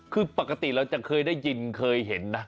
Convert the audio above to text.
คือปกติเราจะเคยได้ยินเคยเห็นนะ